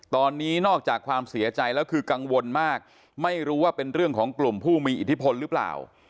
ตอนนี้นอกจากความเสียใจแล้วคือกังวลมากไม่รู้ว่าเป็นเรื่องของกลุ่มผู้มีอิทธิพลหรือเปล่า